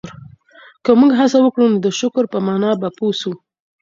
که موږ هڅه وکړو نو د شکر په مانا به پوه سو.